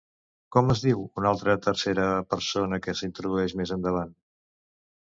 Com es diu una altra tercera persona que s'introdueix més endavant?